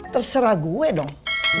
terserah gue dong